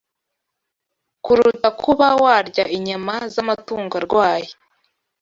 kuruta kuba warya inyama z’amatungo arwaye